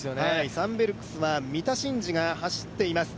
サンベルクスは三田眞司が走っています。